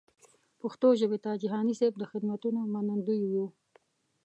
پښتو ژبې ته جهاني صېب د خدمتونو منندوی یو.